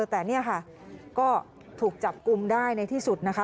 แต่นี่ค่ะก็ถูกจับกลุ่มได้ในที่สุดนะคะ